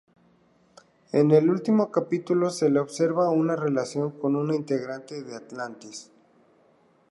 En el último capítulo se le observa una relación con una integrante de Atlantis.